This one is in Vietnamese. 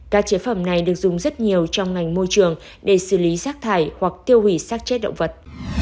các chế phẩm này được dùng rất nhiều trong ngành môi trường để xử lý rác thải hoặc tiêu hủy sát chết động vật